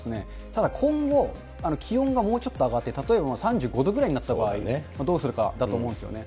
ただ、今後、気温がもうちょっと上がって例えば３５度くらいになった場合、どうするかだと思うんですよね。